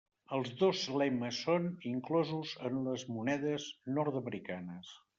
Els dos lemes són inclosos en les monedes Nord-Americanes.